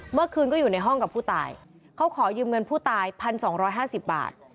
เมื่อคืนก็อยู่ในห้องกับผู้ตายเขาขอยืมเงินผู้ตาย๑๒๕๐บาท